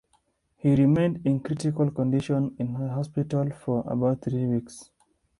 He remained in critical condition in the hospital for about three weeks.